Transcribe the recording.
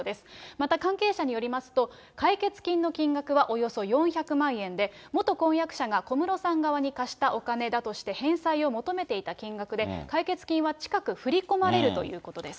また関係者によりますと、解決金の金額はおよそ４００万円で、元婚約者が小室さん側に貸したお金だとして、返済を求めていた金額で、解決金は近く振り込まれるということです。